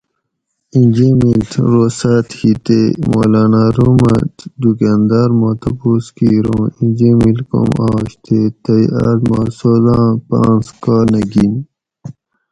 اِیں جیمیڷ روساۤت ہی تے مولاۤناۤ روم اۤ دُکاۤنداۤر ما تپوس کِیر اُوں اِیں جیمیڷ کوم آش تے تئ آۤس ما سودہ آۤں پاۤنس کا نہ گِن؟